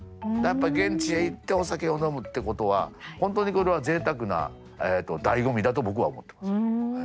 やっぱり現地へ行ってお酒を飲むってことは本当にこれはぜいたくな醍醐味だと僕は思ってます。